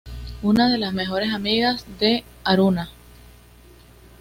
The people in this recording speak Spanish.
Una de las mejores amigas de Haruna.